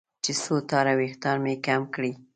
چې څو تاره وېښتان مې کم کړي.